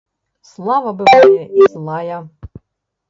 Слава бывае і злая.